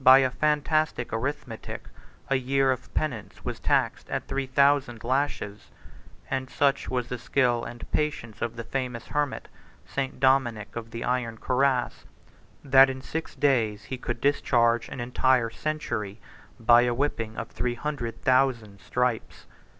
By a fantastic arithmetic, a year of penance was taxed at three thousand lashes; 25 and such was the skill and patience of a famous hermit, St. Dominic of the iron Cuirass, 26 that in six days he could discharge an entire century, by a whipping of three hundred thousand stripes.